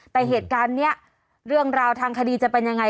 แต่เหตุการณ์นี้เรื่องราวทางคดีจะเป็นยังไง